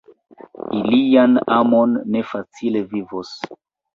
Ilian amon ne facile vivos.